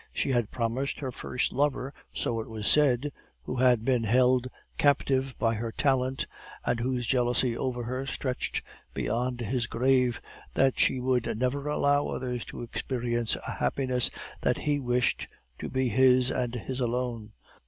She had promised her first lover, so it was said, who had been held captive by her talent, and whose jealousy over her stretched beyond his grave, that she would never allow others to experience a happiness that he wished to be his and his alone.